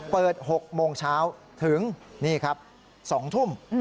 เปิด๖โมงเช้าถึง๒ทุ่ม